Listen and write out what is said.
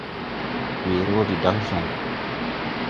Weere wɔ de dag jõõ.